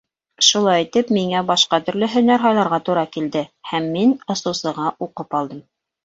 Шулай итеп, миңә башҡа төрлө һөнәр һайларға тура килде, һәм мин осоусыға уҡып алдым.